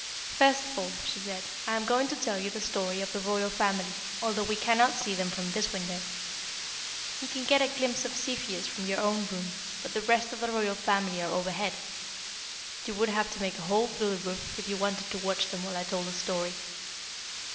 "First of all," she said, "I am going to tell you the story of the Royal Family, although we cannot see them from this window. You can get a glimpse of Cepheus from your own room, but the rest of the Royal Family are overhead. You would have to make a hole through the roof if you wanted to watch them while I told their story."